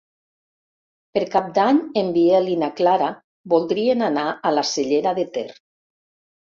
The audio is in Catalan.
Per Cap d'Any en Biel i na Clara voldrien anar a la Cellera de Ter.